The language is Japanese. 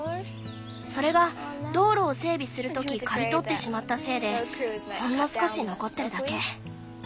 それが道路を整備するとき刈り取ってしまったせいでほんの少し残ってるだけ。